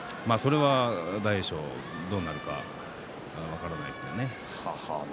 大栄翔もどうなるか分からないですよね。